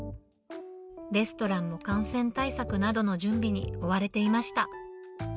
レストランの感染対策などの準備に追われていました。